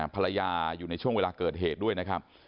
ภรรยาอยู่ในช่วงเวลาเกิดเหตุด้วยนะครับ